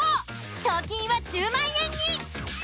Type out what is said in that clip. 賞金は１０万円に。